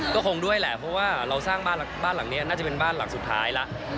ก็คงด้วยแหละเพราะว่าเราสร้างบ้านหลังนี้น่าจะเป็นบ้านหลังสุดท้ายแล้ว